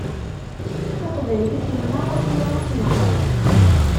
Taqbaylit-nneɣ, tura ad tt-nɣeṛ.